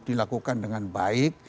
dilakukan dengan baik